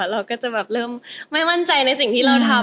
เราก็จะแบบเริ่มไม่มั่นใจในสิ่งที่เราทำ